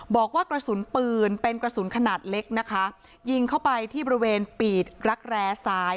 บอกว่ากระสุนปืนเป็นกระสุนขนาดเล็กนะคะยิงเข้าไปที่บริเวณปีดรักแร้ซ้าย